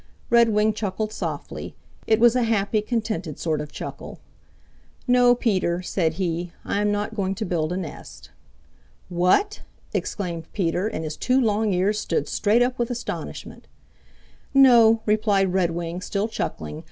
Redwing chuckled softly. It was a happy, contented sort of chuckle. "No, Peter," said he. "I am not going to build a nest." "What?" exclaimed Peter, and his two long ears stood straight up with astonishment. "No," replied Redwing, still chuckling.